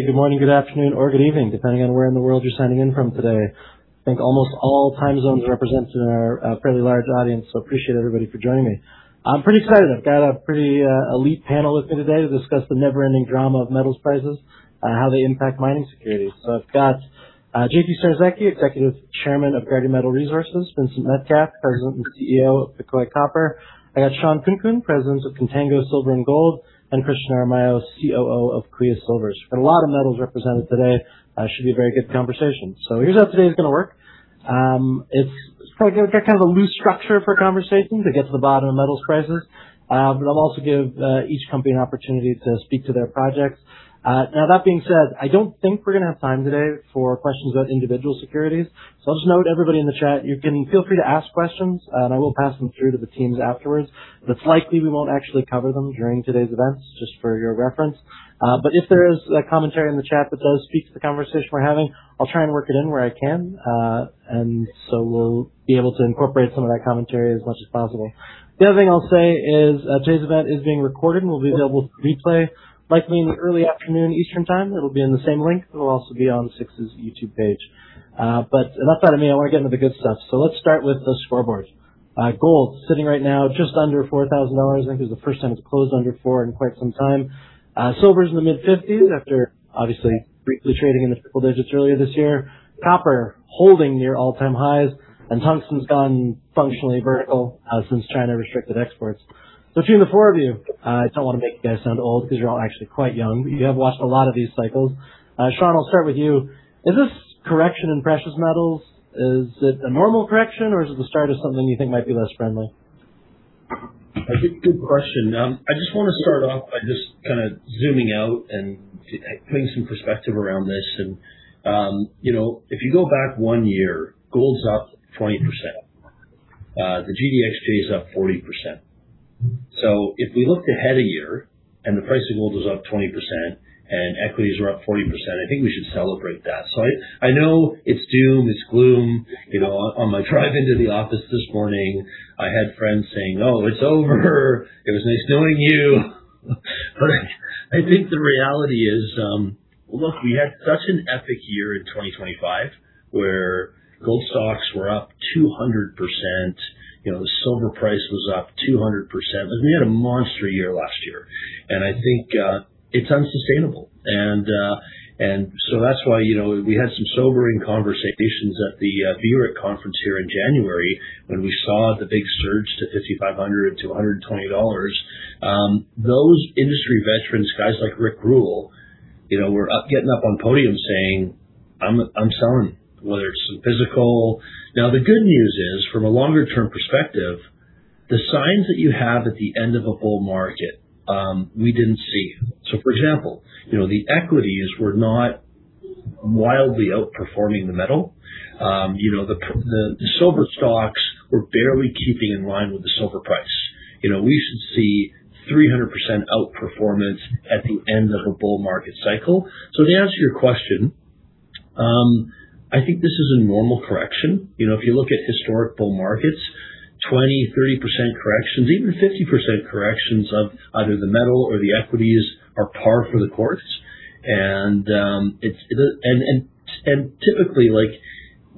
Good morning, good afternoon, or good evening, depending on where in the world you're signing in from today. I think almost all time zones are represented in our fairly large audience, appreciate everybody for joining me. I'm pretty excited. I've got a pretty elite panel with me today to discuss the never-ending drama of metals prices, how they impact mining securities. I've got J.P. Czarnecki, executive chairman of Grady Metal Resources, Vincent Metcalfe, president and CEO of Pecoy Copper. I got Shawn Khunkhun, president of Contango Silver & Gold, and Christian Aramayo, COO of Kuya Silver. We've got a lot of metals represented today. Should be a very good conversation. Here's how today's going to work. It's got a loose structure for conversation to get to the bottom of metals crisis. I'll also give each company an opportunity to speak to their projects. That being said, I don't think we're going to have time today for questions about individual securities. I'll just note everybody in the chat, you can feel free to ask questions, and I will pass them through to the teams afterwards. It's likely we won't actually cover them during today's events, just for your reference. If there is a commentary in the chat that does speak to the conversation we're having, I'll try and work it in where I can. We'll be able to incorporate some of that commentary as much as possible. The other thing I'll say is today's event is being recorded and will be available to replay, likely in the early afternoon Eastern Time. It'll be in the same link. It will also be on SIX's YouTube page. Enough out of me, I want to get into the good stuff. Let's start with the scoreboards. Gold sitting right now just under $4,000. I think it's the first time it's closed under four in quite some time. Silver's in the mid-50s after obviously briefly trading in the triple digits earlier this year. Copper holding near all-time highs, and tungsten's gone functionally vertical since China restricted exports. Between the four of you, I don't want to make you guys sound old because you're all actually quite young, but you have watched a lot of these cycles. Shawn, I'll start with you. Is this correction in precious metals, is it a normal correction or is it the start of something you think might be less friendly? I think good question. I just want to start off by just zooming out and putting some perspective around this. If you go back one year, gold's up 20%. The GDXJ is up 40%. If we looked ahead a year and the price of gold was up 20% and equities were up 40%, I think we should celebrate that. I know it's doom, it's gloom. On my drive into the office this morning, I had friends saying, "No, it's over. It was nice knowing you." I think the reality is, look, we had such an epic year in 2025 where gold stocks were up 200%, the silver price was up 200%, and we had a monster year last year. I think it's unsustainable. That's why we had some sobering conversations at the Vancouver Resource Investment Conference here in January when we saw the big surge to $5,500 to $120. Those industry veterans, guys like Rick Rule, were up getting up on podium saying, "I'm selling," whether it's some physical. The good news is, from a longer-term perspective, the signs that you have at the end of a bull market, we didn't see. For example, the equities were not wildly outperforming the metal. The silver stocks were barely keeping in line with the silver price. We should see 300% outperformance at the end of a bull market cycle. To answer your question, I think this is a normal correction. If you look at historic bull markets, 20%-30% corrections, even 50% corrections of either the metal or the equities are par for the course. Typically,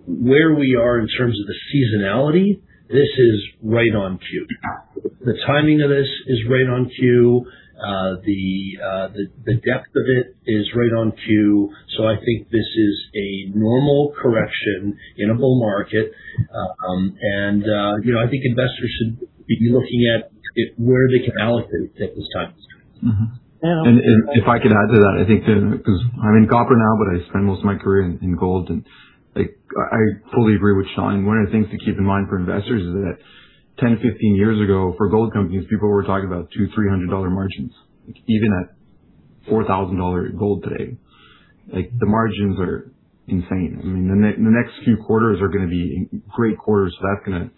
where we are in terms of the seasonality, this is right on cue. The timing of this is right on cue. The depth of it is right on cue. I think this is a normal correction in a bull market. I think investors should be looking at where they can allocate at this time. Mm-hmm. If I could add to that, I think that because I'm in copper now, but I spent most of my career in gold, I fully agree with Shawn. One of the things to keep in mind for investors is that 10-15 years ago, for gold companies, people were talking about $200-$300 margins. Even at $4,000 gold today, the margins are insane. The next few quarters are going to be great quarters. That's going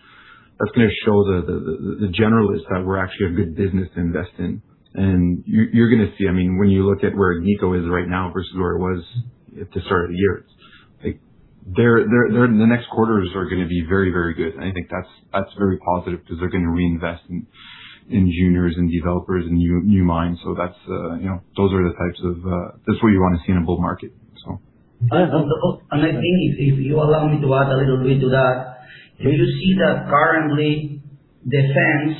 to show the generalists that we're actually a good business to invest in. You're going to see, when you look at where Newco is right now versus where it was at the start of the year. The next quarters are going to be very, very good, I think that's very positive because they're going to reinvest in juniors and developers and new mines. That's what you want to see in a bull market. So- I think if you allow me to add a little bit to that, you see that currently defense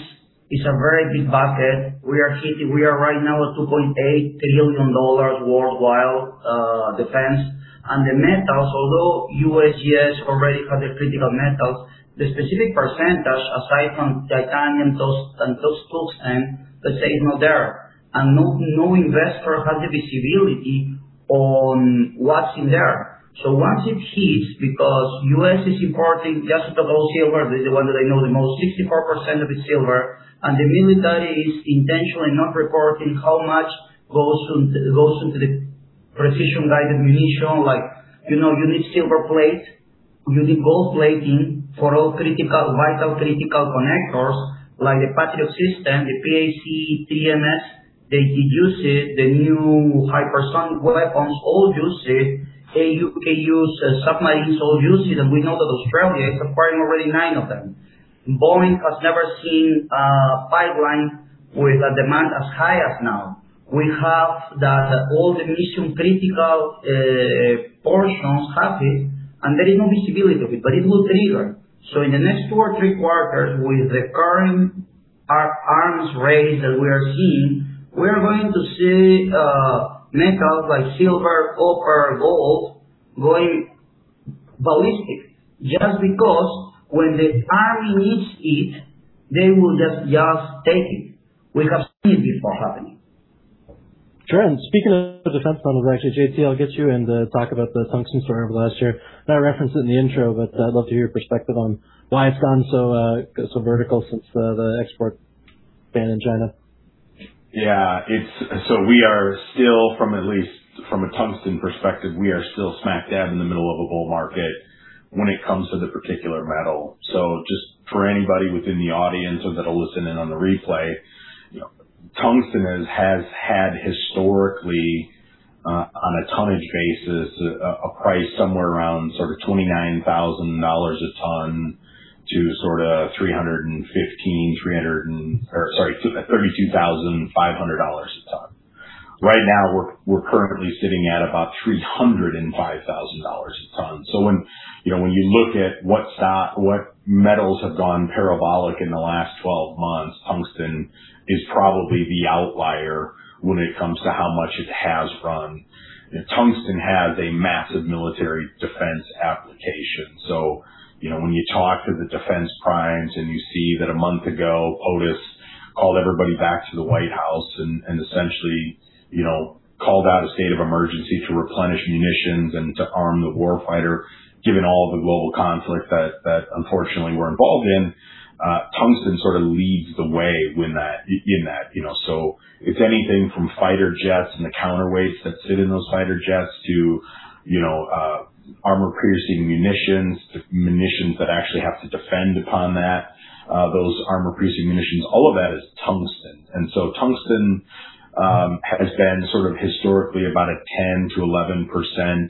is a very big bucket. We are right now at $2.8 trillion worldwide defense. The metals, although USGS already has the critical metals, the specific percentage aside from titanium and tungsten, let's say, is not there. No investor has the visibility on what's in there. Once it hits, because U.S. is importing just about all silver, the one that I know the most, 64% of the silver, and the military is intentionally not reporting how much goes into the precision-guided munition. You need silver plate, you need gold plating for all critical, vital critical connectors like the Patriot system, the PAC-3 MSE, they use it. The new hypersonic weapons all use it. AUKUS submarines all use it, we know that Australia is acquiring already nine of them. Boeing has never seen a pipeline with a demand as high as now. We have that all the mission-critical portions happy, there is no visibility, but it will deliver. In the next two or three quarters with the current arms race that we are seeing, we are going to see metals like silver, copper, gold going ballistic just because when the army needs it, they will just take it. We have seen before happening. Sure. Speaking of defense panels, actually, J.T., I'll get you in to talk about the tungsten story over the last year. I referenced it in the intro, but I'd love to hear your perspective on why it's gone so vertical since the export ban in China. Yeah. We are still from, at least from a tungsten perspective, we are still smack dab in the middle of a bull market when it comes to the particular metal. Just for anybody within the audience or that'll listen in on the replay, tungsten has had historically, on a tonnage basis, a price somewhere around sort of $29,000 a ton to sort of $32,500 a ton. Right now, we're currently sitting at about $305,000 a ton. When you look at what metals have gone parabolic in the last 12 months, tungsten is probably the outlier when it comes to how much it has run. Tungsten has a massive military defense application. When you talk to the defense primes and you see that a month ago, Otis called everybody back to the White House and essentially, called out a state of emergency to replenish munitions and to arm the war fighter, given all the global conflict that unfortunately we're involved in, tungsten sort of leads the way in that. It's anything from fighter jets and the counterweights that sit in those fighter jets to armor-piercing munitions to munitions that actually have to defend upon that, those armor-piercing munitions, all of that is tungsten. Tungsten has been sort of historically about a 10 to 11%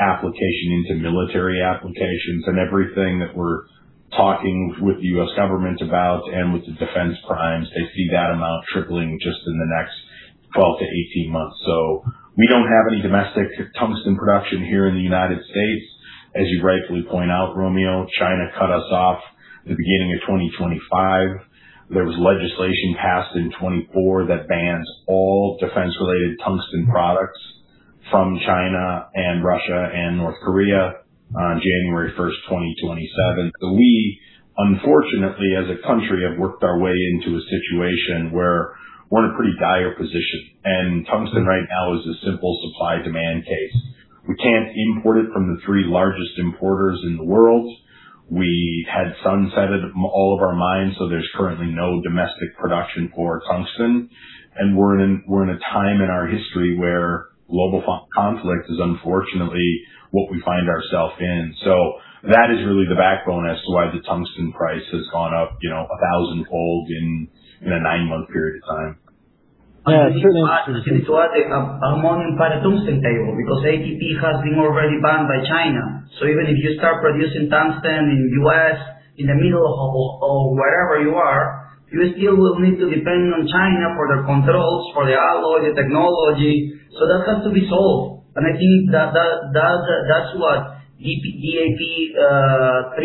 application into military applications. Everything that we're talking with the U.S. government about and with the defense primes, they see that amount tripling just in the next 12 to 18 months. We don't have any domestic tungsten production here in the U.S. As you rightfully point out, Romeo, China cut us off the beginning of 2025. There was legislation passed in 2024 that bans all defense-related tungsten products from China and Russia and North Korea on January 1st, 2027. We unfortunately, as a country, have worked our way into a situation where we're in a pretty dire position. Tungsten right now is a simple supply-demand case. We can't import it from the three largest importers in the world. We had sunsetted all of our mines, there's currently no domestic production for tungsten. We're in a time in our history where global conflict is unfortunately what we find ourself in. That is really the backbone as to why the tungsten price has gone up a 1,000-fold in a 9-month period of time. Yeah. Sure. It's hard to add momentum by the tungsten table because APT has been already banned by China. Even if you start producing tungsten in U.S., in the middle of wherever you are, you still will need to depend on China for their controls, for their alloy, the technology. That has to be solved. I think that's what APT3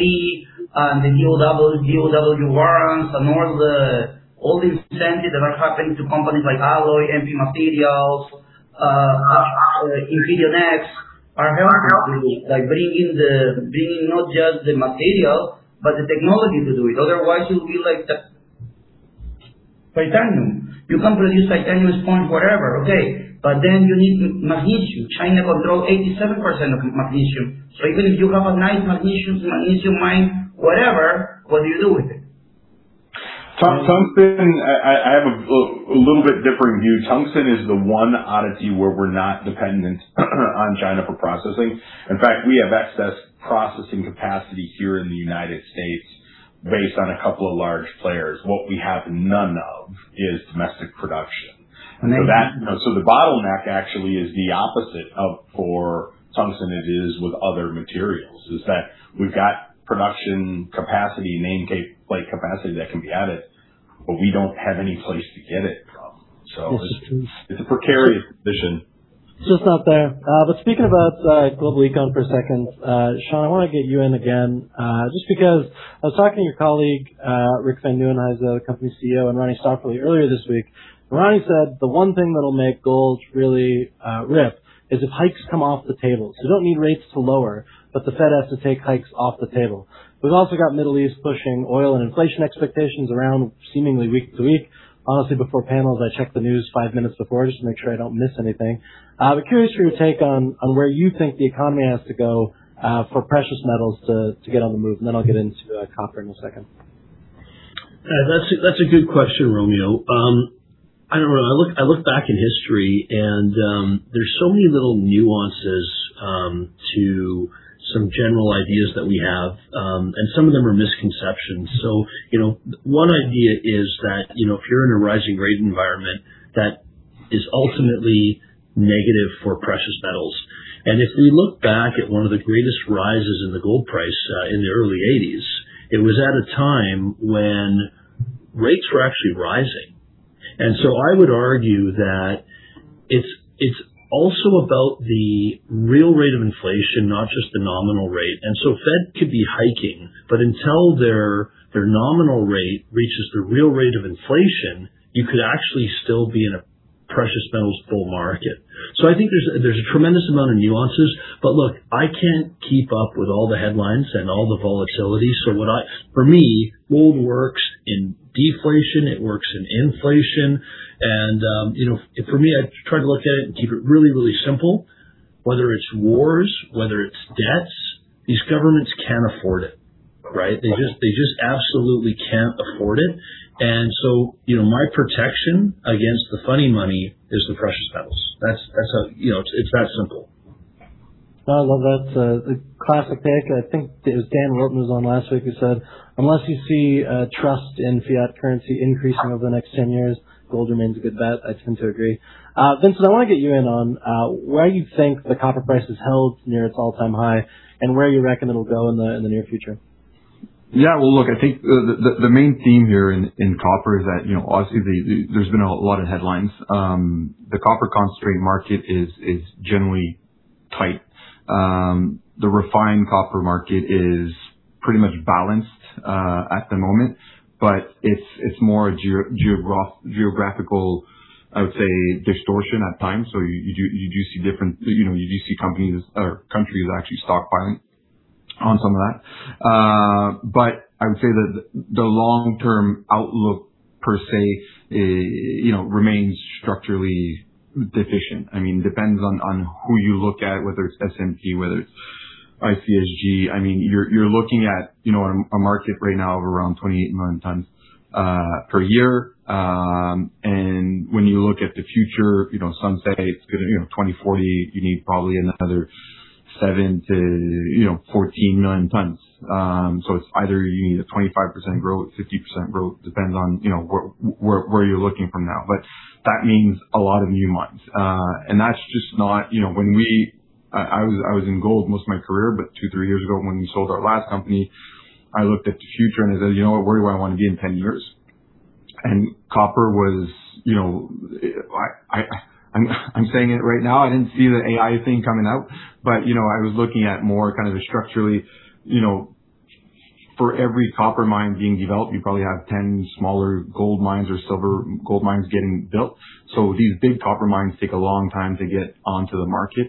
and the DOD warrants and all these incentives that are happening to companies like Alloy, MP Materials, Infinea Next are very happy, like bringing not just the material, but the technology to do it. Otherwise, you'll be like titanium. You can produce titanium sponge wherever, okay. You need magnesium. China controls 87% of magnesium. Even if you have a nice magnesium mine, whatever, what do you do with it? Tungsten, I have a little bit different view. Tungsten is the one oddity where we're not dependent on China for processing. In fact, we have excess processing capacity here in the U.S. based on a couple of large players. What we have none of is domestic production. And then- The bottleneck actually is the opposite for tungsten it is with other materials, is that we've got production capacity, nameplate capacity that can be added, but we don't have any place to get it from. This is true. It's a precarious position. It's just not there. Speaking about global economy for a second, Shawn, I want to get you in again, just because I was talking to your colleague, Rick Van Nu, and I was the company CEO, and Ronnie Stock earlier this week. Ronnie said the one thing that'll make gold really rip is if hikes come off the table. You don't need rates to lower, but the Fed has to take hikes off the table. We've also got Middle East pushing oil and inflation expectations around seemingly week to week. Honestly, before panels, I check the news 5 minutes before just to make sure I don't miss anything. Curious for your take on where you think the economy has to go, for precious metals to get on the move, and then I'll get into copper in a second. That's a good question, Romeo. I don't know. I look back in history and there's so many little nuances to some general ideas that we have, and some of them are misconceptions. One idea is that, if you're in a rising rate environment that is ultimately negative for precious metals. If we look back at one of the greatest rises in the gold price in the early eighties, it was at a time when rates were actually rising. I would argue that it's also about the real rate of inflation, not just the nominal rate. Fed could be hiking, but until their nominal rate reaches the real rate of inflation, you could actually still be in a precious metals bull market. I think there's a tremendous amount of nuances. Look, I can't keep up with all the headlines and all the volatility. For me, gold works in deflation, it works in inflation. For me, I try to look at it and keep it really, really simple. Whether it's wars, whether it's debts, these governments can't afford it, right? They just absolutely can't afford it. My protection against the funny money is the precious metals. It's that simple. I love that. It's a classic pick. I think as Dan Rotten was on last week, who said, "Unless you see trust in fiat currency increasing over the next 10 years, gold remains a good bet." I tend to agree. Vincent, I want to get you in on why you think the copper price has held near its all-time high, and where you reckon it'll go in the near future. Well, look, I think the main theme here in copper is that, obviously, there's been a lot of headlines. The copper concentrate market is generally tight. The refined copper market is pretty much balanced at the moment. It's more a geographical, I would say, distortion at times. You do see companies or countries actually stockpiling on some of that. I would say that the long-term outlook per se remains structurally deficient. Depends on who you look at, whether it's S&P Global, whether it's ICSG. You're looking at a market right now of around 28 million tons per year. When you look at the future, some say it's going to, 2040, you need probably another 7 million-14 million tons. It's either you need a 25% growth, 50% growth, depends on where you're looking from now. That means a lot of new mines. I was in gold most of my career, but two, three years ago, when we sold our last company, I looked at the future and I said, "You know what? Where do I want to be in 10 years?" Copper was, I'm saying it right now, I didn't see the AI thing coming out, but I was looking at more kind of the structurally, for every copper mine being developed, you probably have 10 smaller gold mines or silver gold mines getting built. These big copper mines take a long time to get onto the market.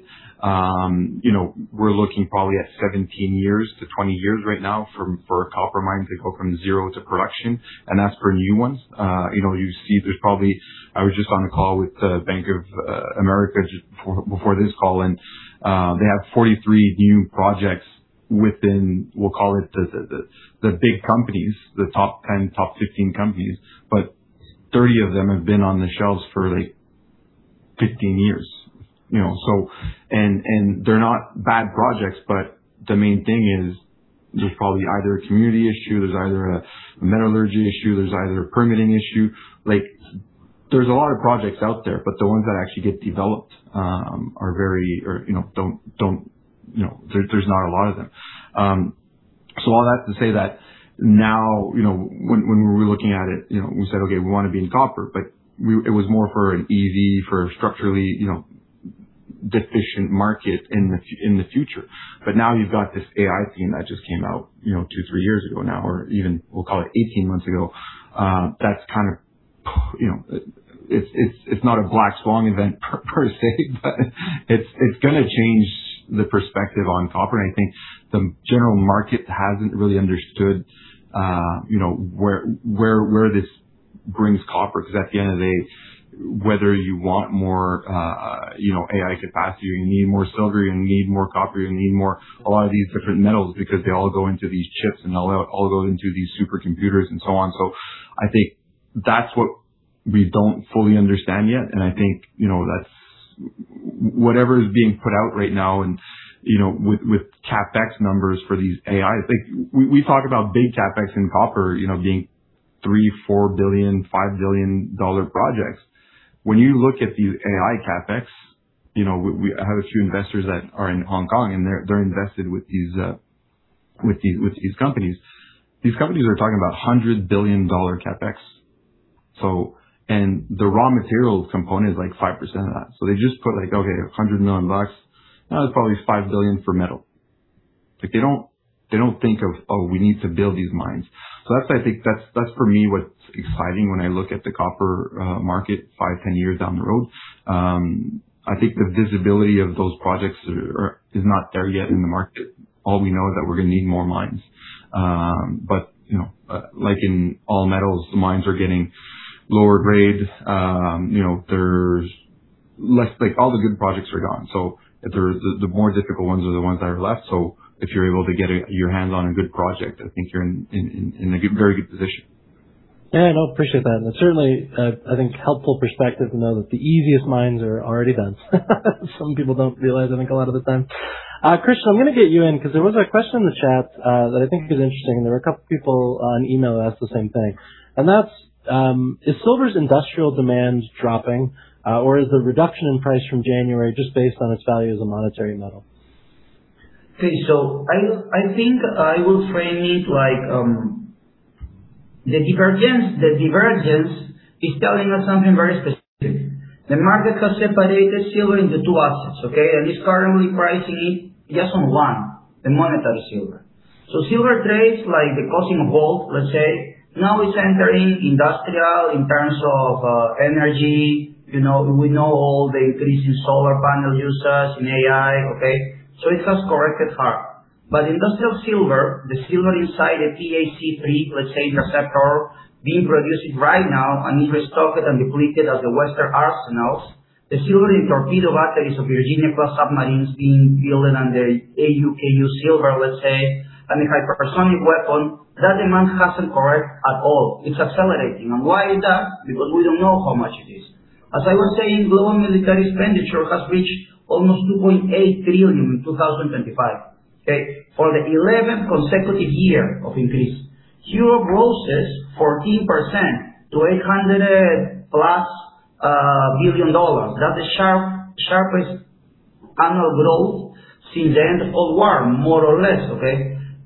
We're looking probably at 17 years-20 years right now for copper mines to go from zero to production, and that's for new ones. You see there's probably I was just on a call with Bank of America just before this call, and they have 43 new projects within, we'll call it the big companies, the top 10, top 15 companies, 30 of them have been on the shelves for 15 years. They're not bad projects, the main thing is there's probably either a community issue, there's either a metallurgy issue, there's either a permitting issue. There's a lot of projects out there, but the ones that actually get developed, there's not a lot of them. All that to say that now, when we were looking at it, we said, "Okay, we want to be in copper," it was more for an EV, for a structurally deficient market in the future. Now you've got this AI theme that just came out two, three years ago now, or even we'll call it 18 months ago. It's not a black swan event per se, but it's going to change the perspective on copper. I think the general market hasn't really understood where this brings copper, because at the end of the day, whether you want more AI capacity, or you need more silver, you need more copper, you need more, a lot of these different metals because they all go into these chips and all go into these supercomputers and so on. I think that's what we don't fully understand yet, and I think that's whatever is being put out right now and with CapEx numbers for these AI, I think we talk about big CapEx in copper being $3 billion, $4 billion, $5 billion dollar projects. When you look at the AI CapEx, I have a few investors that are in Hong Kong, and they're invested with these companies. These companies are talking about $100 billion CapEx. The raw material component is 5% of that. They just put, okay, $100 million. Now it's probably $5 billion for metal. They don't think of, oh, we need to build these mines. That's, I think, that's for me what's exciting when I look at the copper market five, 10 years down the road. I think the visibility of those projects is not there yet in the market. All we know is that we're going to need more mines. Like in all metals, the mines are getting lower grade. All the good projects are gone. The more difficult ones are the ones that are left. If you're able to get your hands on a good project, I think you're in a very good position. Yeah, no, appreciate that. Certainly, I think helpful perspective to know that the easiest mines are already done. Some people don't realize, I think, a lot of the time. Christian, I'm going to get you in because there was a question in the chat that I think is interesting, and there were a couple of people on email ask the same thing, and that's, is silver's industrial demand dropping, or is the reduction in price from January just based on its value as a monetary metal? Okay. I think I will frame it like the divergence is telling us something very specific. The market has separated silver into two assets. It's currently pricing it just on one, the monetary silver. Silver trades like the cost in gold, let's say. Now it's entering industrial in terms of energy. We know all the increase in solar panel usage, in AI. It has corrected hard. Industrial silver, the silver inside the PAC-3, let's say, interceptor being produced right now and is restocked and depleted as the Western arsenals. The silver in torpedo batteries of Virginia-class submarines being built and the AUKUS silver, let's say, and the hypersonic weapon, that demand hasn't corrected at all. It's accelerating. Why is that? Because we don't know how much it is. As I was saying, global military expenditure has reached almost $2.8 trillion in 2025. For the 11th consecutive year of increase. Hero grosses 14% to $800-plus billion. That's the sharpest annual growth since the end of World War I, more or less.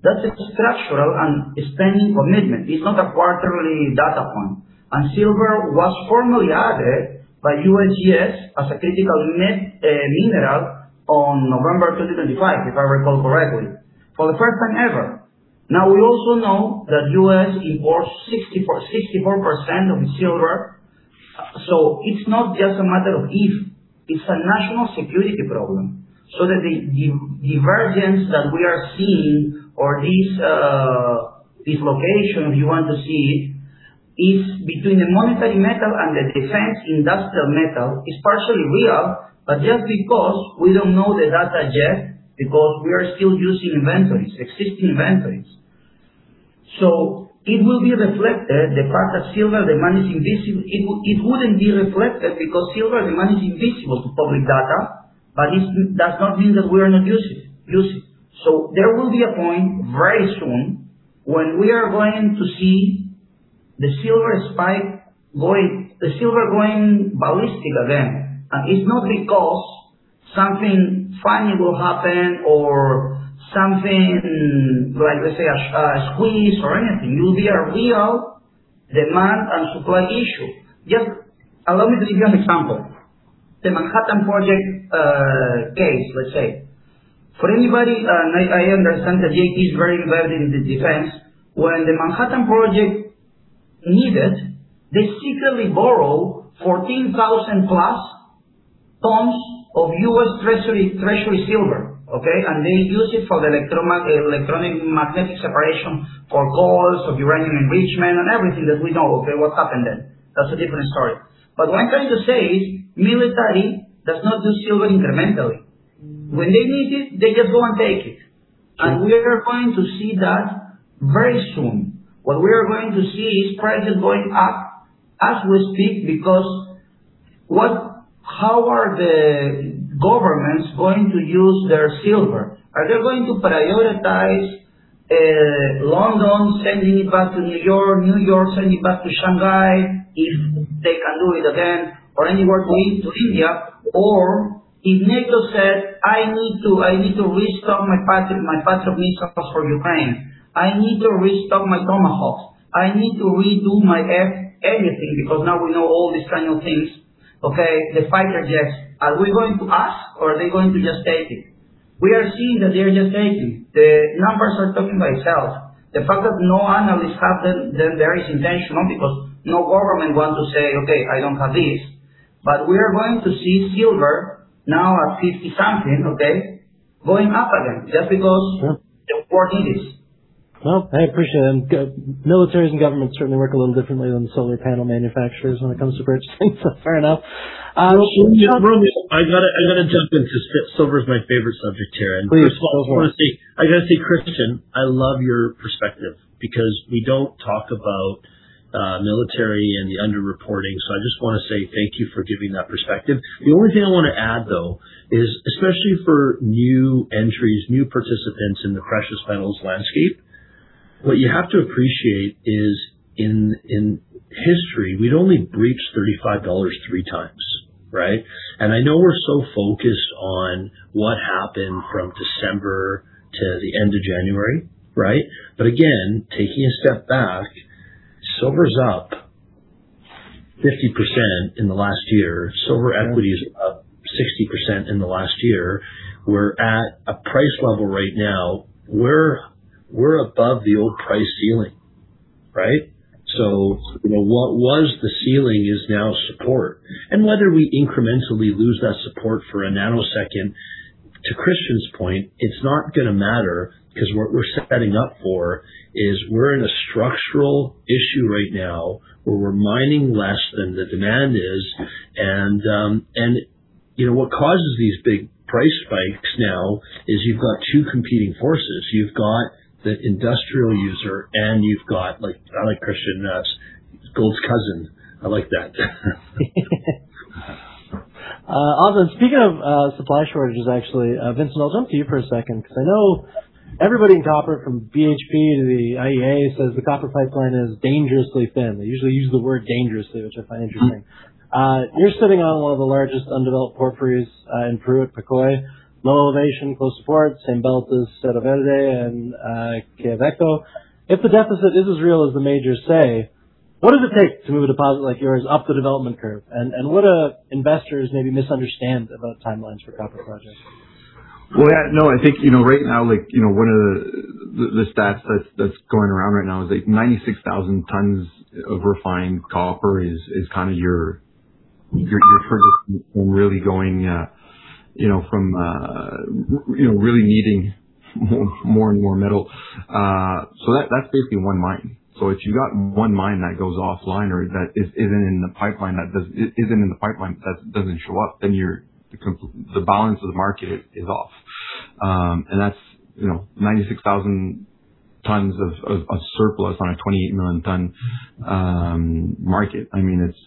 That's a structural and spending commitment. It's not a quarterly data point. Silver was formally added by USGS as a critical mineral on November 2025, if I recall correctly, for the first time ever. We also know that U.S. imports 64% of the silver. It's not just a matter of if, it's a national security problem, so that the divergence that we are seeing or this location, if you want to see it, is between the monetary metal and the defense industrial metal is partially real, but just because we don't know the data yet, because we are still using inventories, existing inventories. It will be reflected, the fact that silver demand is invisible. It wouldn't be reflected because silver demand is invisible to public data, but it does not mean that we're not using it. There will be a point very soon when we are going to see the silver spike going, the silver going ballistic again, and it's not because something funny will happen or something like, let's say, a squeeze or anything. It will be a real demand and supply issue. Just allow me to give you an example. The Manhattan Project case, let's say. For anybody, I understand that Jake is very involved in the defense. When the Manhattan Project need it, they secretly borrow 14,000-plus tons of U.S. Treasury silver. They use it for the electronic magnetic separation, for cores, for uranium enrichment, and everything that we know. What happened then? That's a different story. What I'm trying to say is military does not do silver incrementally. When they need it, they just go and take it. Sure. We are going to see that very soon. What we are going to see is prices going up as we speak because how are the governments going to use their silver? Are they going to prioritize London sending it back to New York, New York sending it back to Shanghai, if they can do it again, or anywhere to India? Or if NATO said, "I need to restock my Patriot missiles for Ukraine. I need to restock my Tomahawks. I need to redo my F everything," because now we know all these kinds of things, okay, the fighter jets. Are we going to ask or are they going to just take it? We are seeing that they're just taking. The numbers are talking by itself. The fact that no analyst has them, then there is intentional because no government want to say, "Okay, I don't have this." We are going to see silver now at 50 something, okay, going up again just because. Yeah. The war teases. Well, I appreciate it. Militaries and governments certainly work a little differently than solar panel manufacturers when it comes to purchasing, so fair enough. I got to jump in because silver is my favorite subject here. Please, go for it. First of all, I got to say, Christian, I love your perspective because we don't talk about military and the underreporting. I just want to say thank you for giving that perspective. The only thing I want to add, though, is especially for new entries, new participants in the precious metals landscape, what you have to appreciate is in history, we'd only breached $35 three times, right? I know we're so focused on what happened from December to the end of January, right? Again, taking a step back, silver's up 50% in the last year. Silver equity is up 60% in the last year. We're at a price level right now. We're above the old price ceiling, right? What was the ceiling is now support. Whether we incrementally lose that support for a nanosecond, to Christian's point, it's not going to matter because what we're setting up for is we're in a structural issue right now where we're mining less than the demand is. What causes these big price spikes now is you've got two competing forces. You've got the industrial user, and you've got, like Christian notes Gold's cousin. I like that. Speaking of supply shortages, actually, Vincent, I'll jump to you for a second because I know everybody in copper from BHP to the IEA says the copper pipeline is dangerously thin. They usually use the word dangerously, which I find interesting. You're sitting on one of the largest undeveloped porphyries in Peru at Pecoy. Low elevation, close port, same belt as Cerro Verde and Quellaveco. If the deficit is as real as the majors say, what does it take to move a deposit like yours up the development curve? What do investors maybe misunderstand about timelines for copper projects? Well, yeah, no, I think, right now, one of the stats that's going around right now is 96,000 tons of refined copper is your really going from really needing more and more metal. That's basically one mine. If you've got one mine that goes offline or that isn't in the pipeline, that doesn't show up, then the balance of the market is off. That's 96,000 tons of surplus on a 28 million ton market.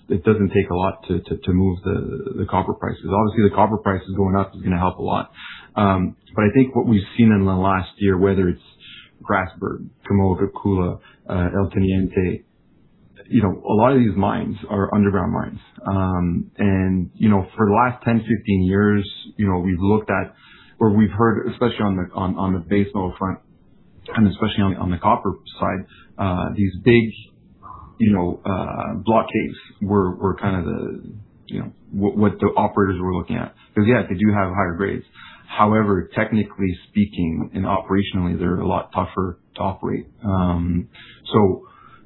It doesn't take a lot to move the copper prices. Obviously, the copper prices going up is going to help a lot. But I think what we've seen in the last year, whether it's Grasberg, Komokona, El Teniente, a lot of these mines are underground mines. For the last 10, 15 years, we've looked at, or we've heard, especially on the base metal front and especially on the copper side, these big block caves were what the operators were looking at because, yeah, they do have higher grades. However, technically speaking and operationally, they're a lot tougher to operate.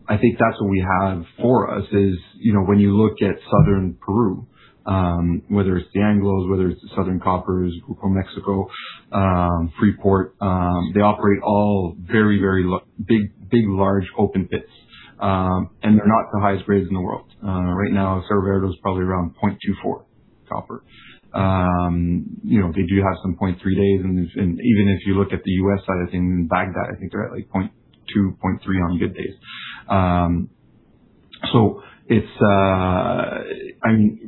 I think that's what we have for us is when you look at southern Peru, whether it's the Anglos, whether it's Southern Copper, Grupo México, Freeport, they operate all very, very big, large open pits, and they're not the highest grades in the world. Right now, Cerro Verde is probably around 0.24 copper. They do have some 0.3 days, and even if you look at the U.S. side of things in Bagdad, I think they're at 0.2, 0.3 on good days.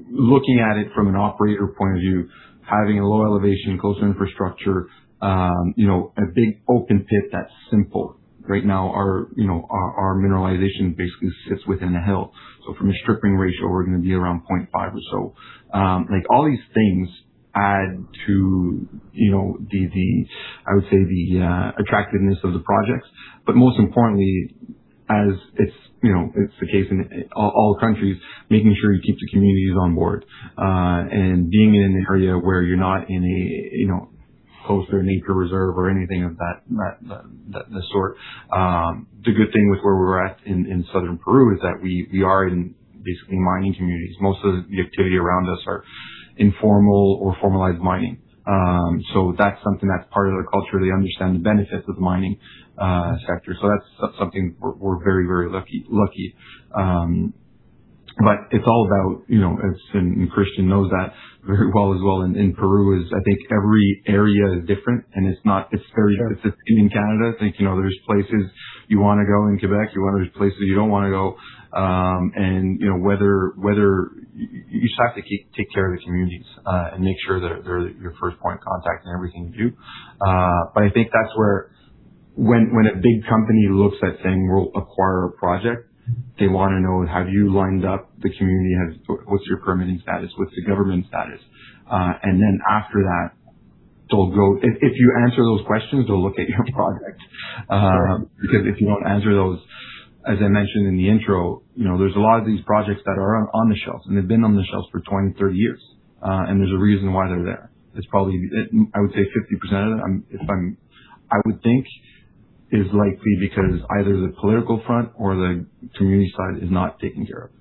Looking at it from an operator point of view, having a low elevation, close infrastructure, a big open pit, that's simple. Right now, our mineralization basically sits within a hill. From a stripping ratio, we're going to be around 0.5 or so. All these things add to, I would say, the attractiveness of the projects. But most importantly, as it's the case in all countries, making sure you keep the communities on board, and being in an area where you're not in a close to a nature reserve or anything of that sort. The good thing with where we're at in southern Peru is that we are in basically mining communities. Most of the activity around us are informal or formalized mining. That's something that's part of their culture. They understand the benefits of the mining sector. That's something we're very lucky. It's all about, and Christian knows that very well as well in Peru, is I think every area is different, and it's very specific. In Canada, I think there's places you want to go in Quebec, there's places you don't want to go. You just have to take care of the communities, and make sure they're your first point of contact in everything you do. I think that's where when a big company looks at saying, "We'll acquire a project," they want to know, have you lined up the community? What's your permitting status? What's the government status? Then after that, if you answer those questions, they'll look at your project. Because if you don't answer those, as I mentioned in the intro, there's a lot of these projects that are on the shelves, and they've been on the shelves for 20, 30 years. There's a reason why they're there. I would say 50% of it, I would think, is likely because either the political front or the community side is not taken care of.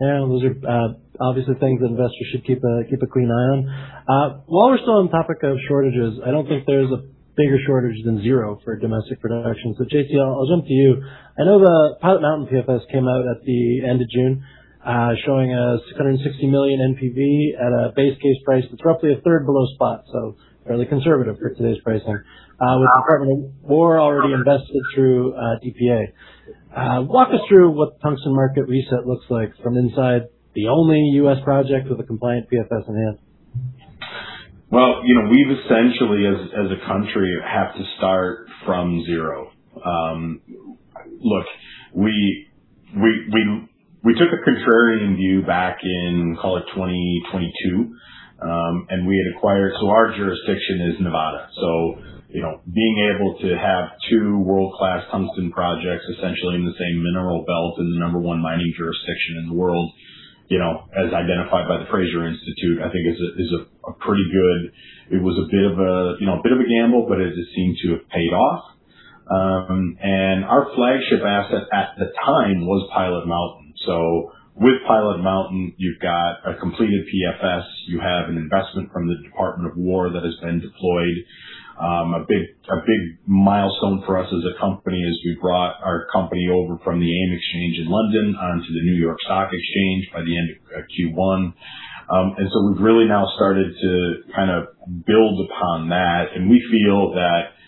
Yeah. Those are obviously things that investors should keep a clean eye on. While we're still on topic of shortages, I don't think there's a bigger shortage than zero for domestic production. J.T., I'll jump to you. I know the Pilot Mountain PFS came out at the end of June, showing a $660 million NPV at a base case price that's roughly a third below spot, so fairly conservative for today's pricing with Department of Defense already invested through DPA. Walk us through what the tungsten market reset looks like from inside the only U.S. project with a compliant PFS in hand. Well, we've essentially, as a country, have to start from zero. Look, we took a contrarian view back in, call it 2022. Our jurisdiction is Nevada. Being able to have two world-class tungsten projects essentially in the same mineral belt in the number 1 mining jurisdiction in the world, as identified by the Fraser Institute, I think it was a bit of a gamble, but it seemed to have paid off. Our flagship asset at the time was Pilot Mountain. With Pilot Mountain, you've got a completed PFS. You have an investment from the Department of Defense that has been deployed. A big milestone for us as a company is we brought our company over from the AIM Exchange in London onto the New York Stock Exchange by the end of Q1. We've really now started to build upon that, and we feel that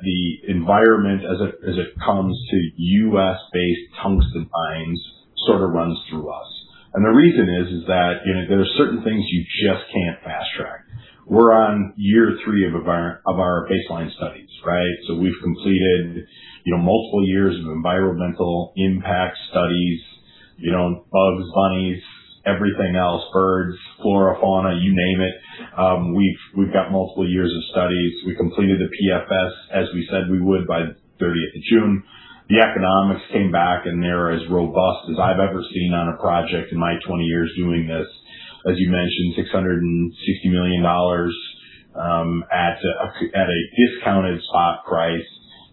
the environment as it comes to U.S.-based tungsten mines sort of runs through us. The reason is that there are certain things you just can't fast-track. We're on year three of our baseline studies, right? We've completed multiple years of environmental impact studies, bugs, bunnies, everything else, birds, flora, fauna, you name it. We've got multiple years of studies. We completed the PFS, as we said we would by 30th of June. The economics came back, and they're as robust as I've ever seen on a project in my 20 years doing this. As you mentioned, $660 million at a discounted spot price.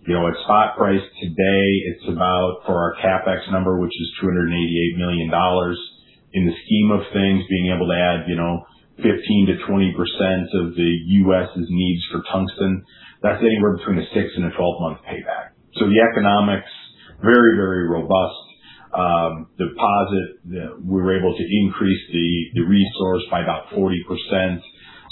At spot price today, it's about, for our CapEx number, which is $288 million. In the scheme of things, being able to add 15%-20% of the U.S.'s needs for tungsten, that's anywhere between a 6 and a 12-month payback. The economics, very robust. The deposit, we were able to increase the resource by about 40%.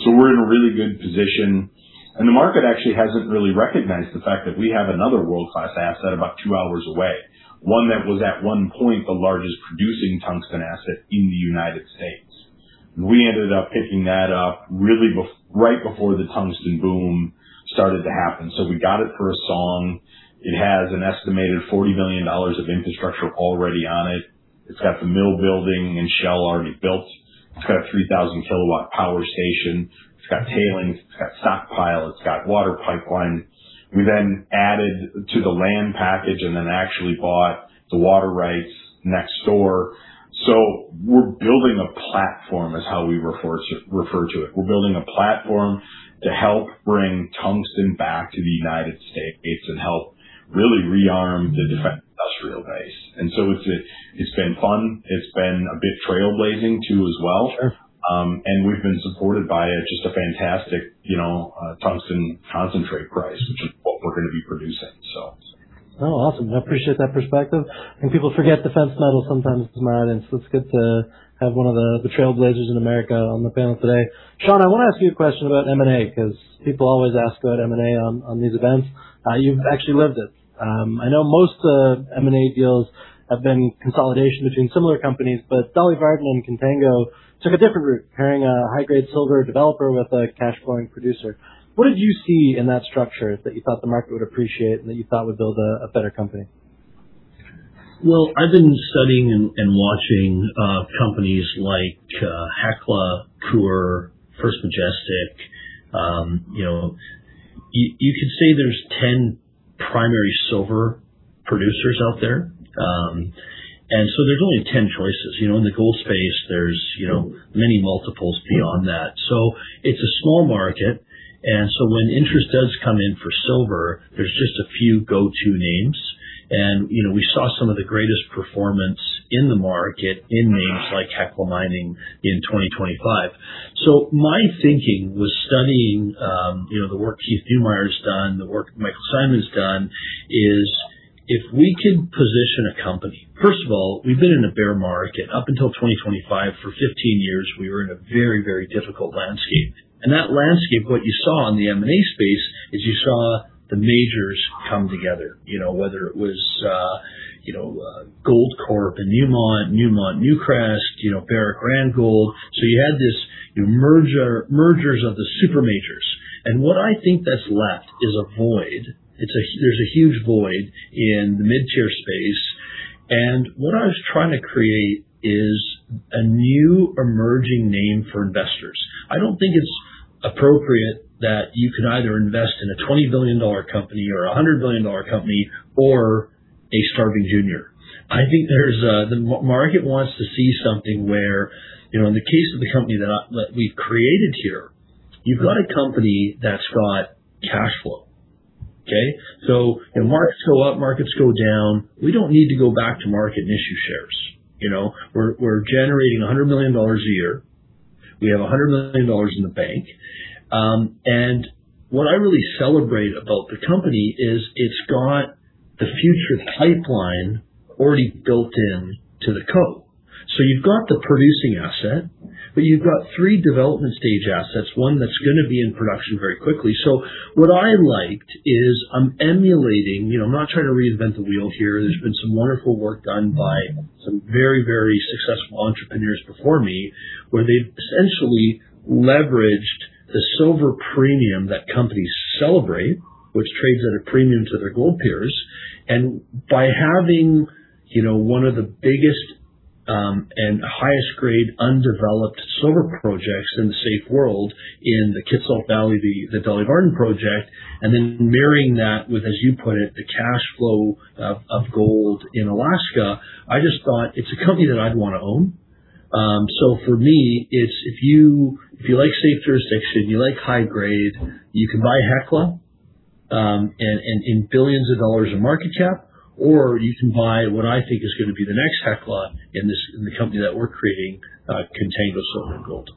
We're in a really good position. The market actually hasn't really recognized the fact that we have another world-class asset about 2 hours away, one that was at one point the largest producing tungsten asset in the United States. We ended up picking that up really right before the tungsten boom started to happen. We got it for a song. It has an estimated $40 million of infrastructure already on it. It's got the mill building and shell already built. It's got a 3,000 kW power station. It's got tailings, it's got stockpile, it's got water pipeline. We added to the land package and actually bought the water rights next door. We're building a platform, is how we refer to it. We're building a platform to help bring tungsten back to the United States and help really re-arm the defense industrial base. It's been fun. It's been a bit trailblazing, too, as well. Sure. We've been supported by just a fantastic tungsten concentrate price, which is what we're going to be producing. Awesome. I appreciate that perspective. I think people forget defense metal sometimes in this environment, so it's good to have one of the trailblazers in America on the panel today. Shawn, I want to ask you a question about M&A, because people always ask about M&A on these events. You've actually lived it. I know most M&A deals have been consolidation between similar companies, but Dolly Varden and Contango took a different route, pairing a high-grade silver developer with a cash-flowing producer. What did you see in that structure that you thought the market would appreciate and that you thought would build a better company? I've been studying and watching companies like Hecla, Coeur, First Majestic. You could say there's 10 primary silver producers out there, so there's only 10 choices. In the gold space, there's many multiples beyond that. So it's a small market, and so when interest does come in for silver, there's just a few go-to names. And we saw some of the greatest performance in the market in names like Hecla Mining in 2025. My thinking was studying the work Keith Neumeyer's done, the work Michael Saylor's done, is if we could position a company. First of all, we've been in a bear market. Up until 2025, for 15 years, we were in a very difficult landscape. And that landscape, what you saw in the M&A space is you saw the majors come together, whether it was Goldcorp and Newmont, Newcrest, Barrick Gold. You had these mergers of the super majors. And what I think that's left is a void. There's a huge void in the mid-tier space, and what I was trying to create is a new emerging name for investors. I don't think it's appropriate that you can either invest in a $20 billion company or a $100 billion company or a starving junior. I think the market wants to see something where, in the case of the company that we've created here, you've got a company that's got cash flow. Okay? When markets go up, markets go down, we don't need to go back to market and issue shares. We're generating $100 million a year. We have $100 million in the bank. And what I really celebrate about the company is it's got the future pipeline already built into the company. You've got the producing asset, but you've got 3 development stage assets, one that's going to be in production very quickly. What I liked is I'm emulating, I'm not trying to reinvent the wheel here. There's been some wonderful work done by some very successful entrepreneurs before me, where they've essentially leveraged the silver premium that companies celebrate, which trades at a premium to their gold peers. And by having one of the biggest and highest grade undeveloped silver projects in the safe world in the Kitsault Valley, the Dolly Varden project, and then marrying that with, as you put it, the cash flow of gold in Alaska, I just thought it's a company that I'd want to own. If you like safe jurisdiction, you like high grade, you can buy Hecla in billions of dollars of market cap, or you can buy what I think is going to be the next Hecla in the company that we're creating, Contango Silver & Gold.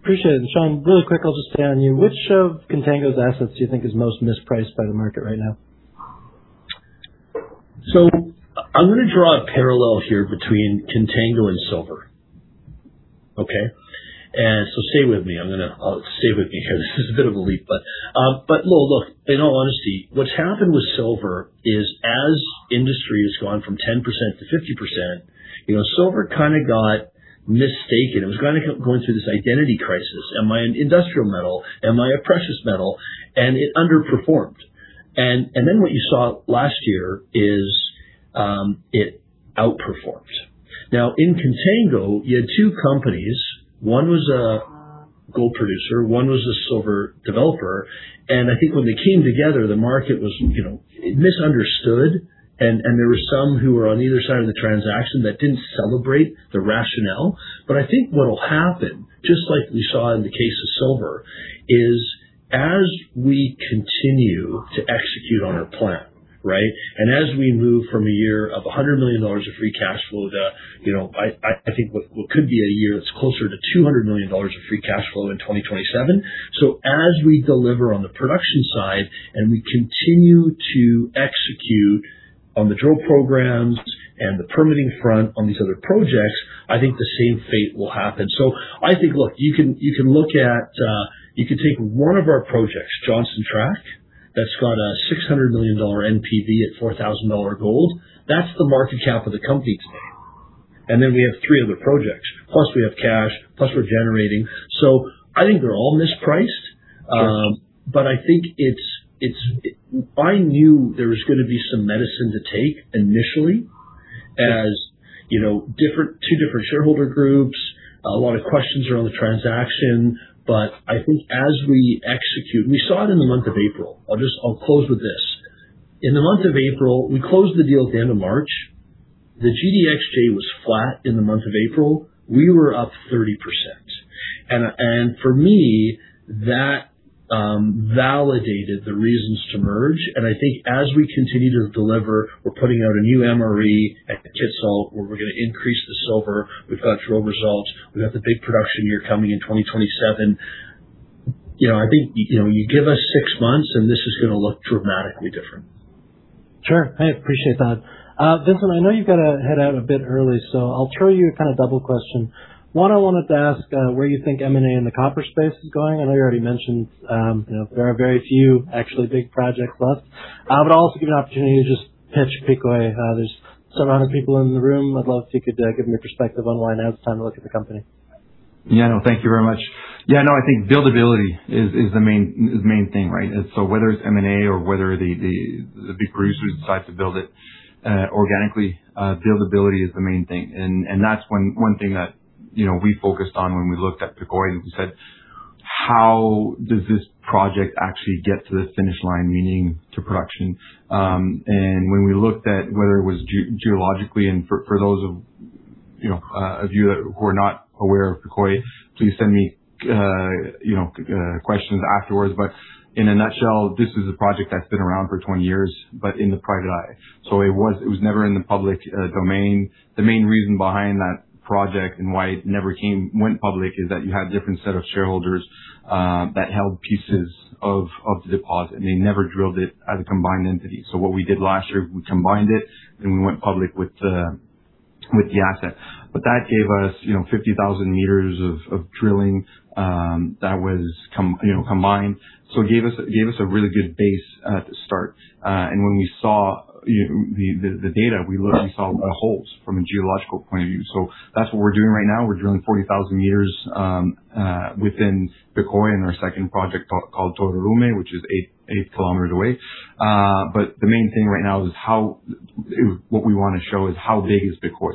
Appreciate it. Shawn, really quick, I'll just stay on you. Which of Contango's assets do you think is most mispriced by the market right now? I'm going to draw a parallel here between Contango and silver. Okay? Stay with me. Stay with me here. This is a bit of a leap, but look, in all honesty, what's happened with silver is as industry has gone from 10% to 50%, silver kind of got mistaken. It was going through this identity crisis. Am I an industrial metal? Am I a precious metal? It underperformed. What you saw last year is it outperformed. Now, in Contango, you had two companies. One was a gold producer, one was a silver developer. I think when they came together, the market misunderstood, and there were some who were on either side of the transaction that didn't celebrate the rationale. I think what'll happen, just like we saw in the case of silver, is as we continue to execute on our plan, right, as we move from a year of $100 million of free cash flow to, I think what could be a year that's closer to $200 million of free cash flow in 2027. As we deliver on the production side, we continue to execute on the drill programs and the permitting front on these other projects, I think the same fate will happen. I think, look, you can take one of our projects, Johnson Tract, that's got a $600 million NPV at $4,000 gold. That's the market cap of the company today. We have three other projects, plus we have cash, plus we're generating. I think they're all mispriced. Sure. I think I knew there was going to be some medicine to take initially as two different shareholder groups, a lot of questions around the transaction. I think as we execute, we saw it in the month of April. I'll close with this. In the month of April, we closed the deal at the end of March. The GDXJ was flat in the month of April. We were up 30%. For me, that validated the reasons to merge. I think as we continue to deliver, we're putting out a new MRE at Kitsault where we're going to increase the silver. We've got drill results. We've got the big production year coming in 2027. I think you give us 6 months, and this is going to look dramatically different. Sure. I appreciate that. Vincent, I know you've got to head out a bit early, so I'll throw you a double question. One, I wanted to ask where you think M&A in the copper space is going. I know you already mentioned there are very few actually big projects left. I'll also give you an opportunity to just pitch Pecoy. There's some amount of people in the room. I'd love if you could give your perspective on why now is the time to look at the company. Thank you very much. I think buildability is the main thing, right? Whether it's M&A or whether the big producers decide to build it organically, buildability is the main thing. That's one thing that we focused on when we looked at Pecoy, and we said, "How does this project actually get to the finish line, meaning to production?" When we looked at whether it was geologically, for those of you who are not aware of Pecoy, please send me questions afterwards. In a nutshell, this is a project that's been around for 20 years, in the private eye. It was never in the public domain. The main reason behind that project and why it never went public is that you had different set of shareholders that held pieces of the deposit, and they never drilled it as a combined entity. What we did last year, we combined it. Then we went public with the asset. That gave us 50,000 meters of drilling that was combined. It gave us a really good base to start. When we saw the data, we literally saw holes from a geological point of view. That's what we're doing right now. We're drilling 40,000 meters within Pecoy in our second project called Tororume, which is 8 kilometers away. The main thing right now is what we want to show is how big is Pecoy.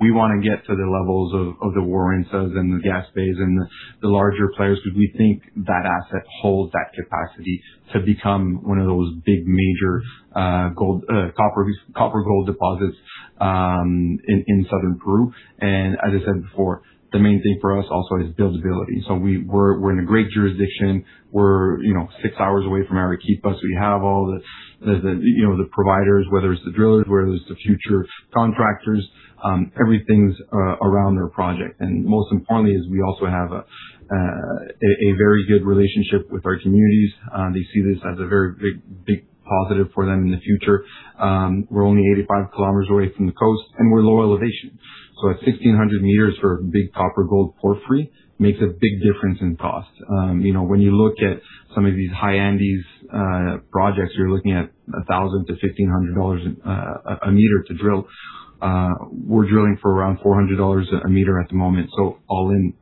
We want to get to the levels of the Llorens and the gas bays and the larger players, because we think that asset holds that capacity to become one of those big major copper-gold deposits in Southern Peru. As I said before, the main thing for us also is buildability. We're in a great jurisdiction. We're six hours away from Arequipa, so we have all the providers, whether it's the drillers, whether it's the future contractors, everything's around our project. Most importantly is we also have a very good relationship with our communities. They see this as a very big positive for them in the future. We're only 85 km away from the coast, and we're low elevation. At 1,600 m for a big copper-gold porphyry makes a big difference in cost. When you look at some of these high Andes projects, you're looking at $1,000-$1,500 a m to drill. We're drilling for around $400 a m at the moment, so all in.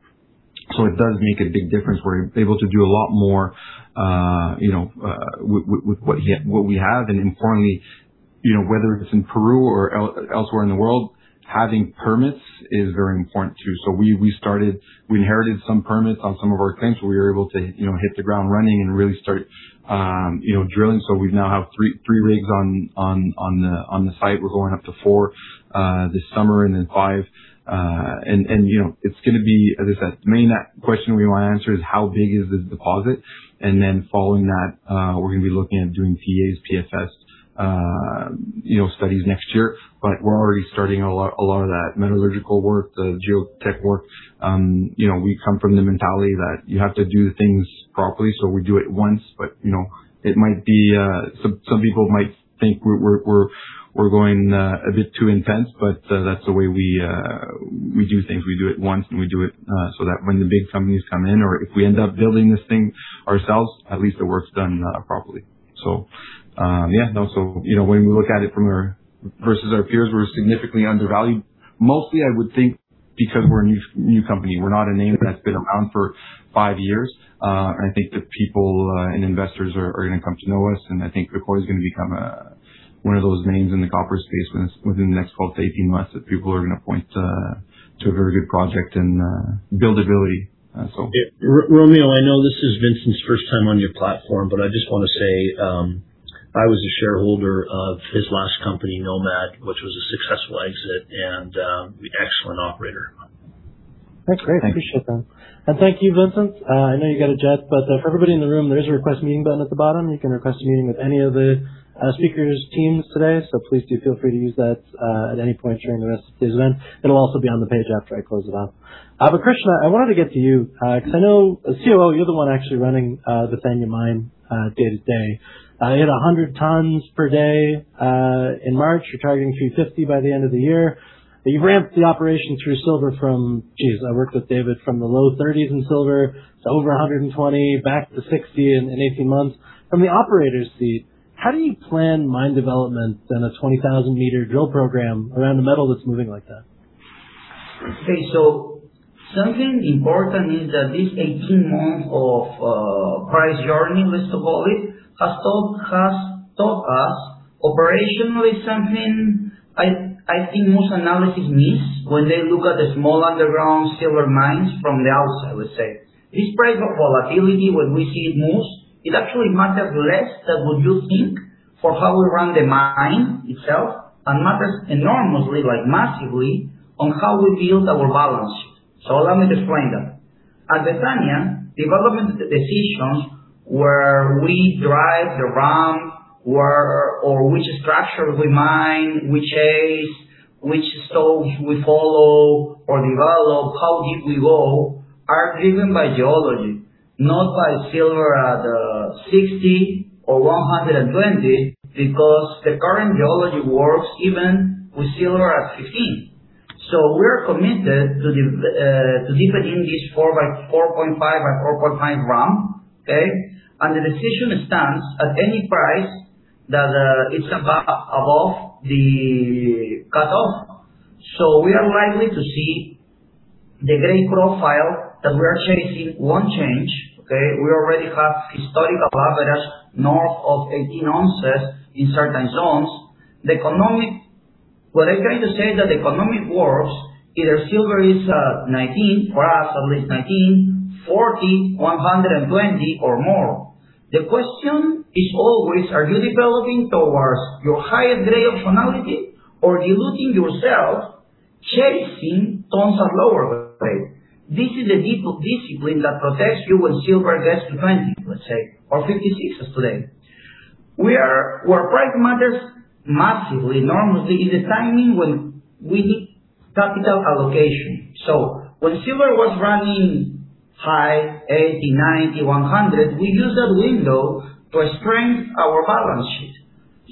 It does make a big difference. We're able to do a lot more with what we have. Importantly, whether it's in Peru or elsewhere in the world, having permits is very important, too. We inherited some permits on some of our claims, so we were able to hit the ground running and really start drilling. We now have three rigs on the site. We're going up to four this summer and then five. It's going to be, as I said, the main question we want to answer is how big is this deposit? Then following that, we're going to be looking at doing PEAs, PFS studies next year. We're already starting a lot of that metallurgical work, the geotech work. We come from the mentality that you have to do things properly, so we do it once. Some people might think we're going a bit too intense, but that's the way we do things. We do it once, and we do it so that when the big companies come in, or if we end up building this thing ourselves, at least the work's done properly. When we look at it versus our peers, we're significantly undervalued. Mostly, I would think because we're a new company. We're not a name that's been around for five years. I think that people and investors are going to come to know us, and I think Pecoy is going to become one of those names in the copper space within the next 12 to 18 months, that people are going to point to a very good project and buildability. Romeo, I know this is Vincent's first time on your platform, I just want to say, I was a shareholder of his last company, Nomad, which was a successful exit, excellent operator. That's great. I appreciate that. Thank you, Vincent. I know you got to jet, for everybody in the room, there is a request meeting button at the bottom. You can request a meeting with any of the speakers' teams today. Please do feel free to use that at any point during the rest of today's event. It'll also be on the page after I close it off. Christian, I wanted to get to you, because I know as COO, you're the one actually running the Betania mine day to day. You had 100 tons per day, in March. You're targeting 350 by the end of the year. You've ramped the operation through silver from, geez, I worked with David from the low 30s in silver to over 120 back to 60 in 18 months. From the operator's seat, how do you plan mine development and a 20,000-meter drill program around a metal that's moving like that? Something important is that this 18 months of price journey, let's call it, has taught us operationally something I think most analysis miss when they look at the small underground silver mines from the outside, let's say. This price of volatility when we see it moves, it actually matters less than what you think for how we run the mine itself and matters enormously, like massively, on how we build our balance sheet. Let me explain that. At Betania, development decisions where we drive the ramp or which structure we mine, we chase, which stope we follow or develop, how deep we go, are driven by geology, not by silver at $60 or $120 because the current geology works even with silver at $15. We're committed to deeper in this 4 by 4.5 by 4.5 ramp. The decision stands at any price that is above the cutoff. We are likely to see the grade profile that we are chasing won't change. We already have historical averages north of 18 ounces in certain zones. What I'm trying to say that the economic works either silver is at $19 for us, at least $19, $40, $120, or more. The question is always, are you developing towards your highest grade optionality or deluding yourself chasing tons of lower grade? This is the discipline that protects you when silver gets to $20, let's say, or $56 as today. Where price matters massively, enormously, is the timing when we need capital allocation. When silver was running high, $80, $90, $100, we used that window to strengthen our balance sheet.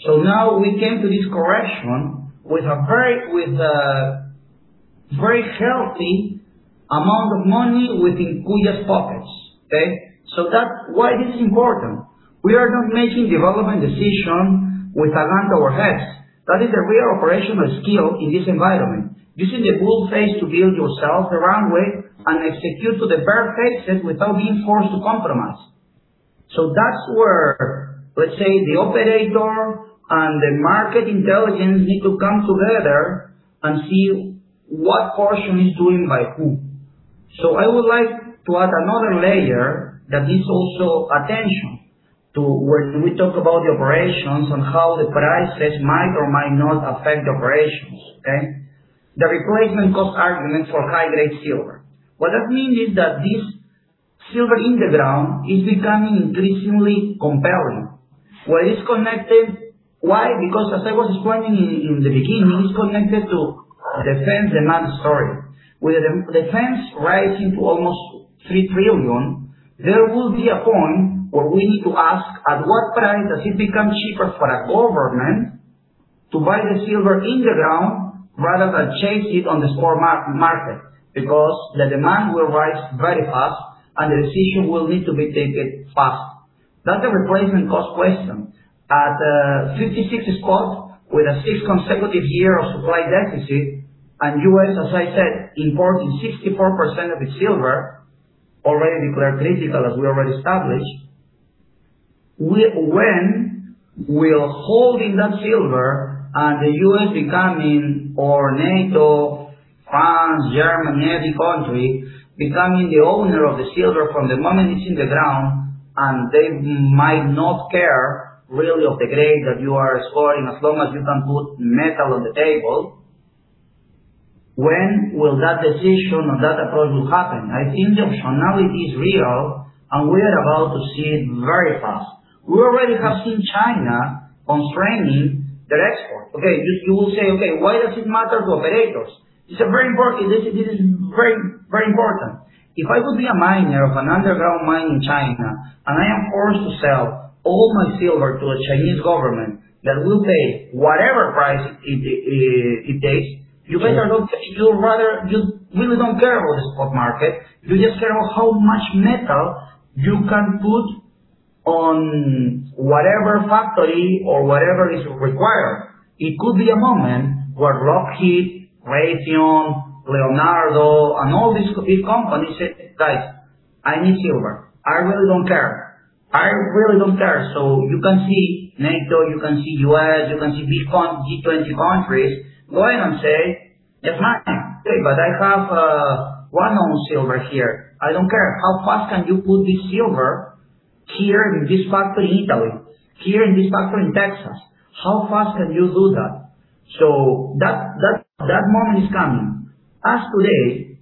Now we came to this correction with a very healthy amount of money within Kuya's pockets. That's why this is important. We are not making development decision with our hands over our heads. That is a real operational skill in this environment. Using the bull phase to build yourself the runway and execute to the bear phases without being forced to compromise. That's where, let's say, the operator and the market intelligence need to come together and see what portion is doing by who. I would like to add another layer that gives also attention to when we talk about the operations and how the prices might or might not affect operations. The replacement cost argument for high-grade silver. What that means is that this silver in the ground is becoming increasingly compelling. Where it's connected, why? Because as I was explaining in the beginning, it's connected to defense demand story. With the defense rising to almost $3 trillion, there will be a point where we need to ask at what price does it become cheaper for a government to buy the silver in the ground rather than chase it on the spot market because the demand will rise very fast, and the decision will need to be taken fast. That's a replacement cost question. At a $56 spot with a six consecutive year of supply deficit and U.S., as I said, importing 64% of the silver, already declared critical as we already established. When will holding that silver and the U.S. becoming, or NATO, France, Germany, any country, becoming the owner of the silver from the moment it's in the ground and they might not care really of the grade that you are scoring as long as you can put metal on the table. When will that decision and that approach will happen? I think the optionality is real, and we are about to see it very fast. We already have seen China constraining their export. Okay. You will say, "Okay, why does it matter to operators?" This is very important. If I would be a miner of an underground mine in China, and I am forced to sell all my silver to a Chinese government that will pay whatever price it takes. You guys, you really don't care about the spot market. You just care about how much metal you can put on whatever factory or whatever is required. It could be a moment where Lockheed, Raytheon, Leonardo, and all these big companies say, "Guys, I need silver. I really don't care." You can see NATO, you can see U.S., you can see G20 countries go ahead and say, "Yes, man. I have one ounce silver here. I don't care. How fast can you put this silver here in this factory in Italy, here in this factory in Texas? How fast can you do that?" That moment is coming. As today,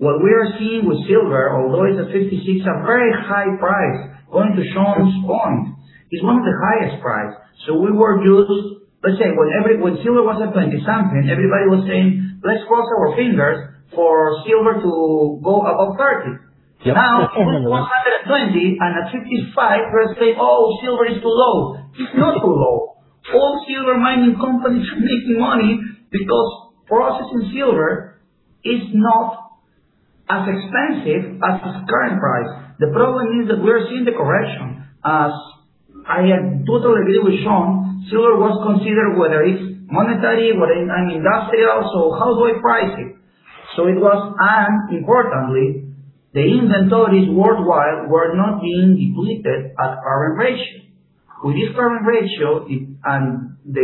what we are seeing with silver, although it's at 56, a very high price, going to Shawn's point, it's one of the highest price. We were used, let's say when silver was at 20 something, everybody was saying, "Let's cross our fingers for silver to go above 30. Yep. It was under 20 and at 55 we are saying, "Oh, silver is too low." It's not too low. All silver mining companies are making money because processing silver is not as expensive as its current price. The problem is that we are seeing the correction. As I totally agree with Shawn, silver was considered, whether it's monetary, whether in industrial, how do I price it? It was, and importantly, the inventories worldwide were not being depleted at current ratio. With this current ratio and the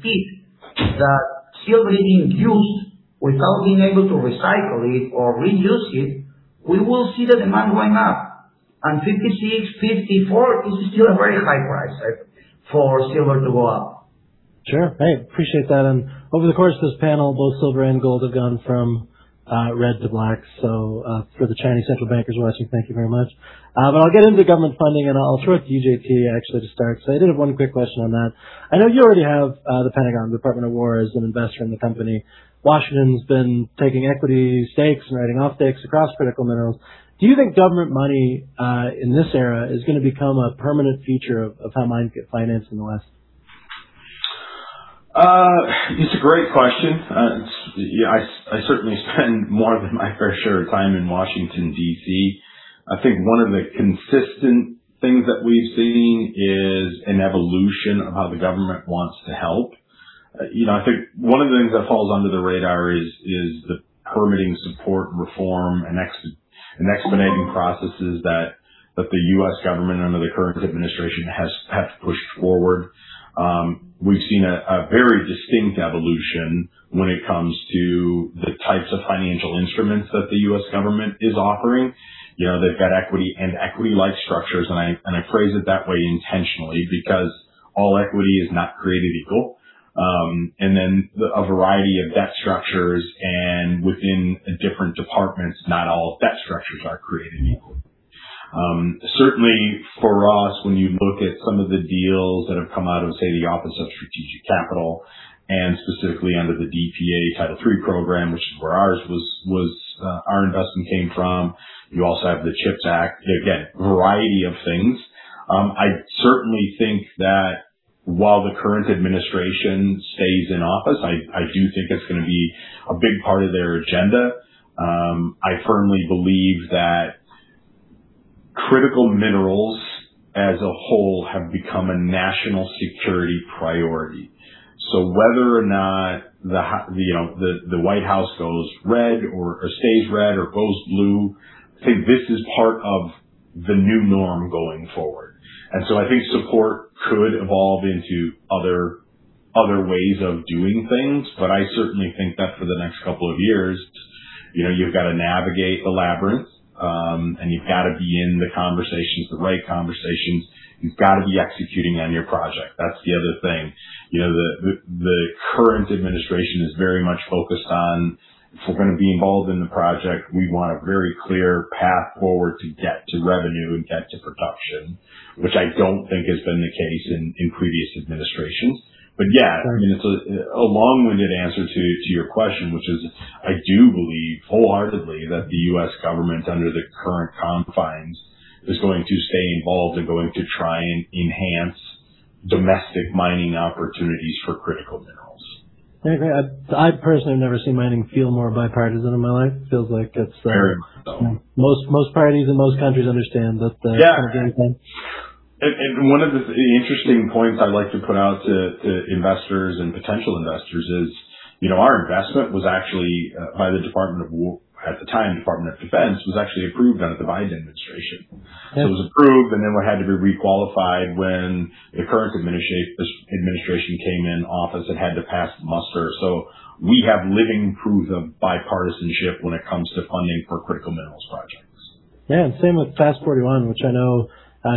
speed that silver is being used without being able to recycle it or reuse it, we will see the demand going up, and 56, 54 is still a very high price for silver to go up. Sure. I appreciate that, and over the course of this panel, both silver and gold have gone from red to black. For the Chinese central bankers watching, thank you very much. I'll get into government funding, and I'll throw it to you, J.T., actually, to start, because I did have one quick question on that. I know you already have the Pentagon, the Department of Defense, as an investor in the company. Washington's been taking equity stakes and writing off stakes across critical minerals. Do you think government money in this era is going to become a permanent feature of how mines get financed in the West? It's a great question. I certainly spend more than my fair share of time in Washington, D.C. I think one of the consistent things that we've seen is an evolution of how the government wants to help. I think one of the things that falls under the radar is the permitting support reform and expediting processes that the U.S. government under the current administration has pushed forward. We've seen a very distinct evolution when it comes to the types of financial instruments that the U.S. government is offering. They've got equity and equity-like structures, and I phrase it that way intentionally because all equity is not created equal. A variety of debt structures, and within different departments, not all debt structures are created equal. Certainly for us, when you look at some of the deals that have come out of, say, the Office of Strategic Capital, and specifically under the DPA Title III program, which is where our investment came from. You also have the CHIPS Act. Variety of things. I certainly think that while the current administration stays in office, I do think it's going to be a big part of their agenda. I firmly believe that critical minerals as a whole have become a national security priority. Whether or not the White House goes red or stays red or goes blue, I think this is part of the new norm going forward. I think support could evolve into other ways of doing things. I certainly think that for the next couple of years, you've got to navigate the labyrinth, and you've got to be in the conversations, the right conversations. You've got to be executing on your project. That's the other thing. The current administration is very much focused on, if we're going to be involved in the project, we want a very clear path forward to get to revenue and get to production, which I don't think has been the case in previous administrations. It's a long-winded answer to your question, which is, I do believe wholeheartedly that the U.S. government, under the current confines, is going to stay involved and going to try and enhance domestic mining opportunities for critical minerals. I personally have never seen mining feel more bipartisan in my life. Very much so. Most parties in most countries understand that the current One of the interesting points I'd like to put out to investors and potential investors is our investment was actually by the Department of Defense, at the time, Department of Defense, was actually approved under the Biden administration. Yeah. It was approved, and then what had to be requalified when the current administration came in office, it had to pass muster. We have living proof of bipartisanship when it comes to funding for critical minerals projects. Yeah, and same with FAST-41, which I know,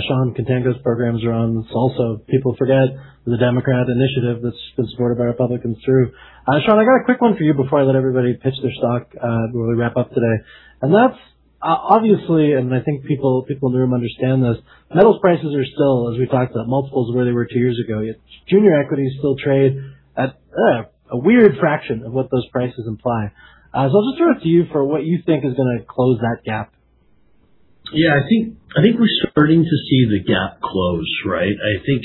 Shawn, Contango's programs run. Also, people forget the Democrat initiative that's been supported by Republicans, too. Shawn, I got a quick one for you before I let everybody pitch their stock when we wrap up today. That's obviously, and I think people in the room understand this, metals prices are still, as we talked about, multiples of where they were two years ago, yet junior equities still trade at a weird fraction of what those prices imply. I'll just throw it to you for what you think is going to close that gap. Yeah, I think we're starting to see the gap close, right? I think,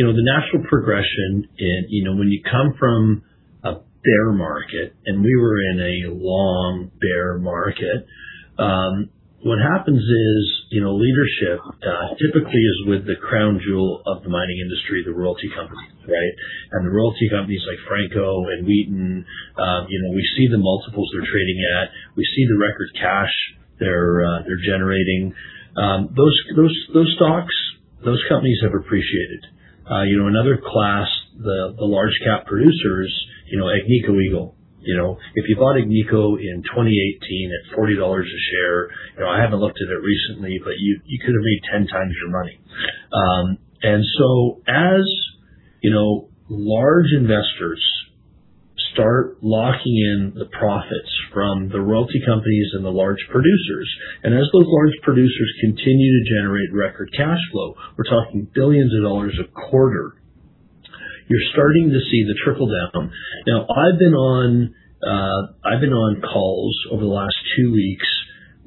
the natural progression in when you come from a bear market, and we were in a long bear market, what happens is, leadership typically is with the crown jewel of the mining industry, the royalty companies, right? The royalty companies like Franco-Nevada and Wheaton Precious Metals, we see the multiples they're trading at. We see the record cash they're generating. Those stocks, those companies have appreciated. Another class, the large cap producers, like Agnico Eagle. If you bought Agnico in 2018 at $40 a share, I haven't looked at it recently, but you could've made 10 times your money. As large investors start locking in the profits from the royalty companies and the large producers, and as those large producers continue to generate record cash flow, we're talking billions of dollars a quarter, you're starting to see the trickle-down. Now, I've been on calls over the last two weeks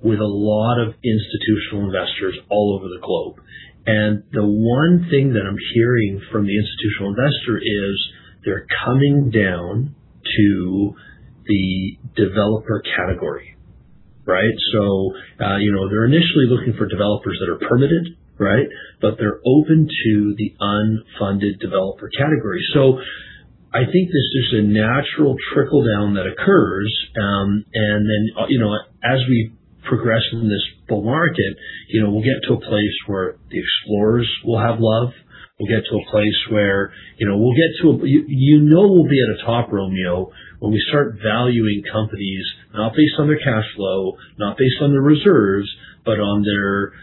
with a lot of institutional investors all over the globe. The one thing that I'm hearing from the institutional investor is they're coming down to the developer category. Right? They're initially looking for developers that are permitted, right? I think there's just a natural trickle-down that occurs, and then, as we progress from this bull market, we'll get to a place where the explorers will have love. We'll get to a place where, you know we'll be at a top, Romeo, when we start valuing companies, not based on their cash flow, not based on their reserves, but on their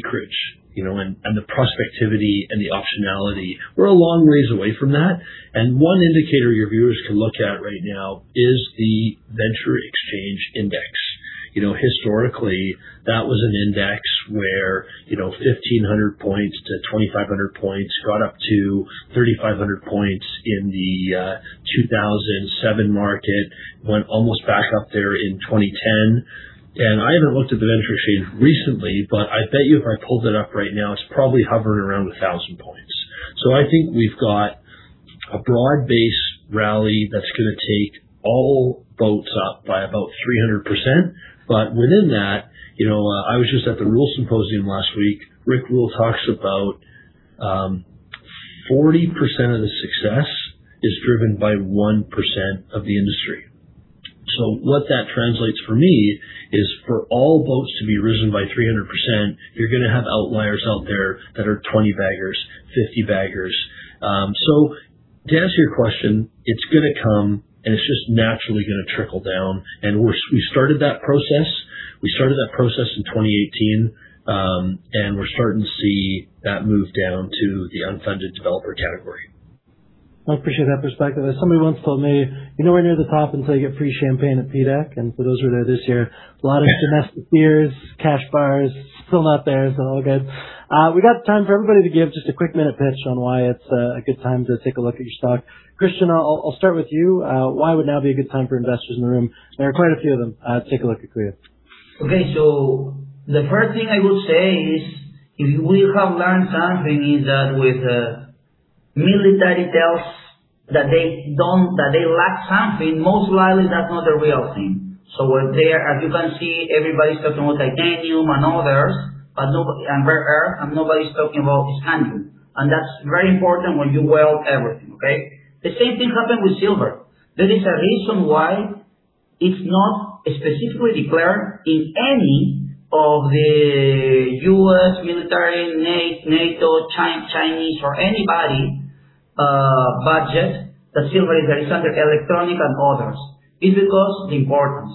acreage, and the prospectivity and the optionality. We're a long ways away from that. And one indicator your viewers can look at right now is the Venture Exchange Index. Historically, that was an index where 1,500 points to 2,500 points got up to 3,500 points in the 2007 market. Went almost back up there in 2010. I haven't looked at the Venture Exchange recently, but I bet you if I pulled it up right now, it's probably hovering around 1,000 points. I think we've got a broad-based rally that's going to take all boats up by about 300%. Within that, I was just at the Rule Symposium last week. Rick Rule talks about 40% of the success is driven by 1% of the industry. What that translates for me is for all boats to be risen by 300%, you're going to have outliers out there that are 20 baggers, 50 baggers. To answer your question, it's going to come, and it's just naturally going to trickle down, and we started that process. We started that process in 2018. We're starting to see that move down to the unfunded developer category. I appreciate that perspective. As somebody once told me, "You're nowhere near the top until you get free champagne at PDAC." For those who were there this year, a lot of domestic beers. Cash bar is still not there, all good. We got time for everybody to give just a quick minute pitch on why it's a good time to take a look at your stock. Christian, I'll start with you. Why would now be a good time for investors in the room? There are quite a few of them. Take a look at Kuya. The first thing I will say is, if we have learned something is that with military tells that they lack something, most likely that's not the real thing. Where there, as you can see, everybody's talking about titanium and others, and rare-earth, and nobody's talking about scandium. That's very important when you weld everything, okay? The same thing happened with silver. There is a reason why it's not specifically declared in any of the U.S. military, NATO, Chinese or anybody budget that silver is there. It's under electronic and others. It's because the importance.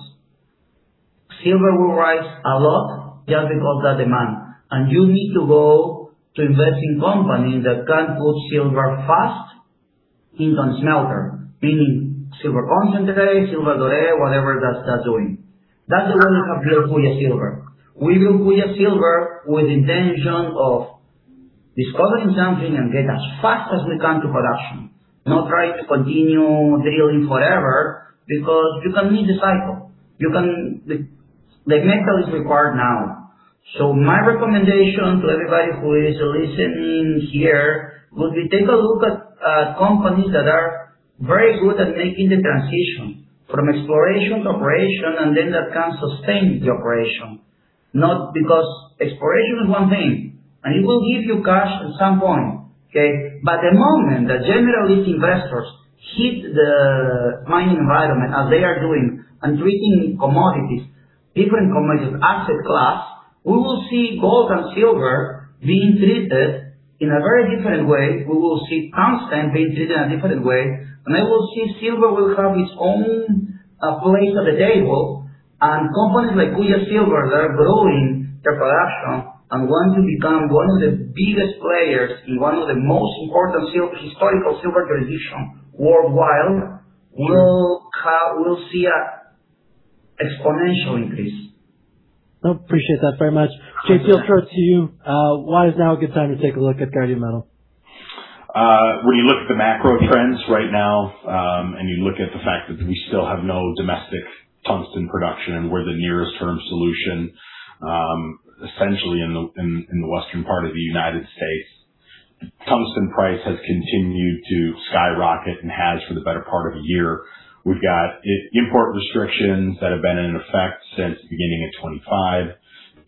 Silver will rise a lot just because of that demand. You need to go to invest in companies that can put silver fast into smelter, meaning silver concentrate, silver dure, whatever that's doing. That's why we have built Kuya Silver. We built Kuya Silver with the intention of discovering something and get as fast as we can to production. Not try to continue drilling forever because you can meet the cycle. The metal is required now. My recommendation to everybody who is listening here would be take a look at companies that are very good at making the transition from exploration to operation, and then that can sustain the operation. Exploration is one thing, and it will give you cash at some point, okay? The moment that generalist investors hit the mining environment as they are doing and treating commodities, different commodities, asset class, we will see gold and silver being treated in a very different way. We will see platinum being treated in a different way. I will see silver will have its own place at the table. Companies like Kuya Silver that are growing their production and going to become one of the biggest players in one of the most important historical silver traditions worldwide will see an exponential increase. I appreciate that very much. Jake, I'll throw it to you. Why is now a good time to take a look at Guardian Metal? When you look at the macro trends right now, and you look at the fact that we still have no domestic tungsten production, and we're the nearest term solution, essentially in the western part of the U.S. Tungsten price has continued to skyrocket and has for the better part of a year. We've got import restrictions that have been in effect since the beginning of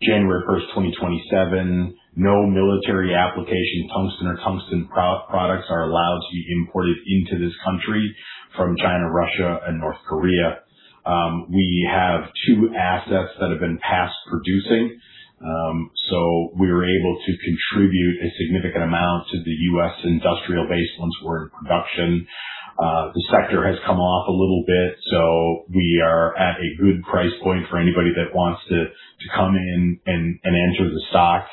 2025. January 1st, 2027, no military application, tungsten or tungsten products are allowed to be imported into this country from China, Russia, and North Korea. We have two assets that have been past producing, so we were able to contribute a significant amount to the U.S. industrial base once we're in production. The sector has come off a little bit, so we are at a good price point for anybody that wants to come in and enter the stock.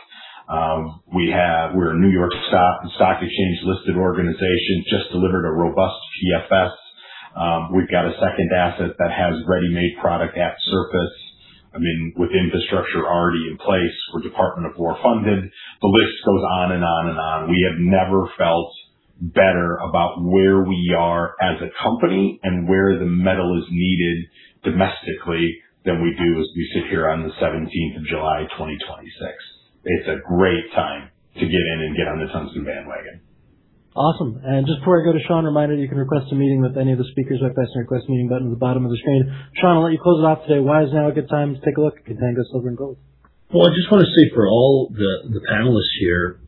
We're a New York Stock Exchange-listed organization, just delivered a robust PFS. We've got a second asset that has ready-made product at surface with infrastructure already in place. We're Department of Defense-funded. The list goes on and on and on. We have never felt better about where we are as a company and where the metal is needed domestically than we do as we sit here on the 17th of July, 2026. It's a great time to get in and get on the tungsten bandwagon. Awesome. Just before I go to Shawn, reminder that you can request a meeting with any of the speakers by pressing the Request Meeting button at the bottom of the screen. Shawn, I'll let you close it off today. Why is now a good time to take a look at Contango Silver & Gold? Well, I just want to say for all the panelists here,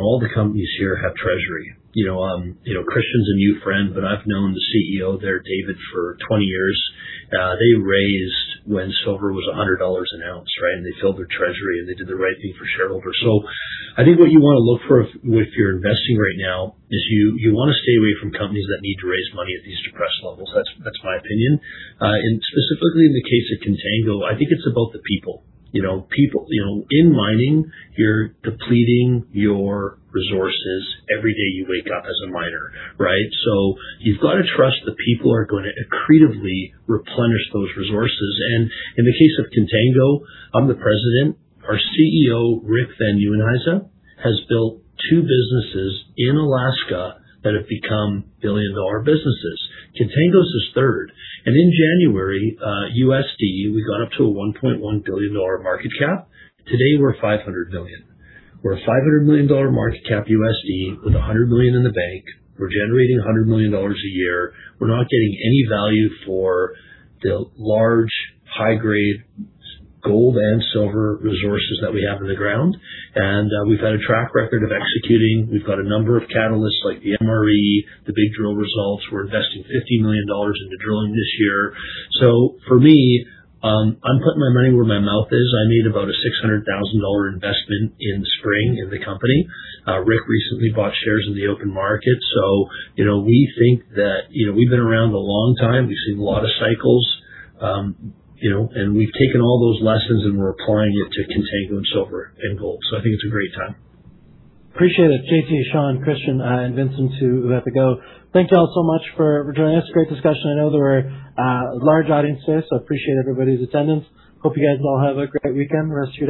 all the companies here have treasury. Christian's a new friend, but I've known the CEO there, David, for 20 years. They raised when silver was $100 an ounce, right? They filled their treasury, and they did the right thing for shareholders. I think what you want to look for if you're investing right now is you want to stay away from companies that need to raise money at these depressed levels. That's my opinion. Specifically in the case of Contango, I think it's about the people. In mining, you're depleting your resources every day you wake up as a miner, right? You've got to trust the people are going to accretively replenish those resources. In the case of Contango, I'm the President. Our CEO, Rick Van Nieuwenhuyse, has built two businesses in Alaska that have become billion-dollar businesses. Contango's his third. In January, USD, we got up to a $1.1 billion market cap. Today, we're $500 million. We're a $500 million market cap USD with $100 million in the bank. We're generating $100 million a year. We're not getting any value for the large, high-grade gold and silver resources that we have in the ground. We've had a track record of executing. We've got a number of catalysts like the MRE, the big drill results. We're investing $50 million into drilling this year. For me, I'm putting my money where my mouth is. I made about a $600,000 investment in spring in the company. Rick recently bought shares in the open market. We think that we've been around a long time. We've seen a lot of cycles. We've taken all those lessons, we're applying it to Contango in silver and gold. I think it's a great time. Appreciate it. J.T., Shawn, Christian, and Vincent, too, who have to go. Thanks all so much for joining us. Great discussion. I know there were a large audience today, so appreciate everybody's attendance. Hope you guys all have a great weekend, the rest of your day.